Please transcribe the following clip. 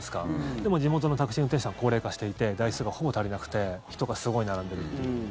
でも、地元のタクシー運転手さん高齢化していて台数がほぼ足りなくて人がすごい並んでいるという。